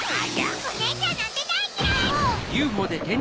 おねえちゃんなんてだいきらい！